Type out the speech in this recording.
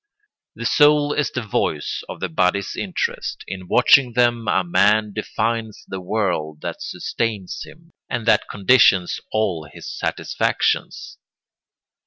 The soul is the voice of the body's interests; in watching them a man defines the world that sustains him and that conditions all his satisfactions.